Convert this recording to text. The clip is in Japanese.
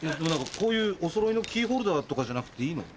こういうおそろいのキーホルダーとかじゃなくていいの？